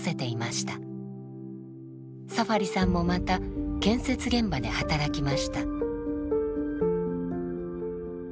サファリさんもまた建設現場で働きました。